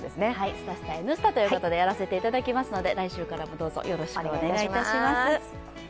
すたすた「Ｎスタ」ということでやらせていただきますので、来週からもどうぞよろしくお願いいたします。